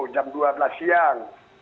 jam dua belas siang